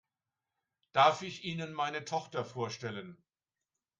Darf ich Ihnen meine Tochter vorstellen?